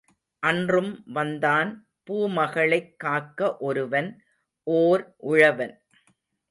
அன்றும் வந்தான் பூமகளைக் காக்க ஒருவன், ஓர் உழவன்.